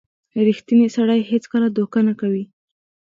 • ریښتینی سړی هیڅکله دوکه نه کوي.